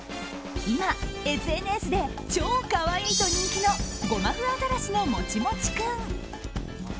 今、ＳＮＳで超可愛いと人気のゴマフアザラシのもちもち君。